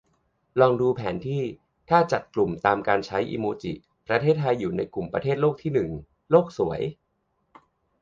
ลองดูแผนที่ ถ้าจัดกลุ่มตามการใช้อิโมจิ ประเทศไทยอยู่ในกลุ่มประเทศโลกที่หนึ่ง ! โลกสวย